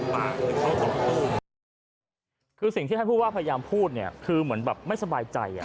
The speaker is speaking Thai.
เป็นโฟร์กัส๑ในทีมผู้ท้ายที่ชีวิตที่เขาลำบาก